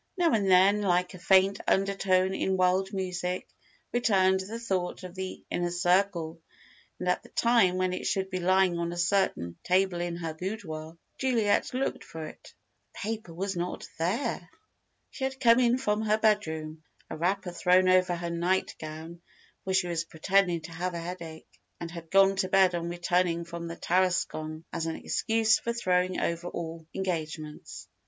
Now and then, like a faint undertone in wild music, returned the thought of the Inner Circle, and at the time when it should be lying on a certain table in her boudoir, Juliet looked for it. The paper was not there! She had come in from her bedroom, a wrapper thrown over her nightgown, for she was pretending to have a headache, and had gone to bed on returning from the Tarascon, as an excuse for throwing over all engagements.